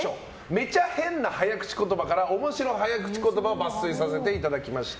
「めちゃヘンな早口ことば」から面白早口言葉を抜粋させていただきました。